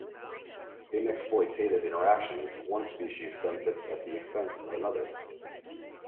In exploitative interactions, one species benefits at the expense of another.